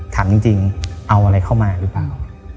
ถามจริงเอาอะไรเข้ามาหรือเปล่า